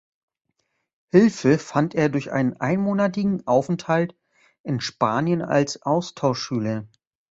Hilfe fand er durch einen einmonatigen Aufenthalt in Spanien als Austauschschüler.